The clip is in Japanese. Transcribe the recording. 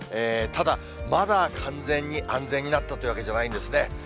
ただ、まだ完全に安全になったというわけではないんですね。